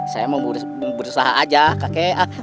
saya mau berusaha saja kak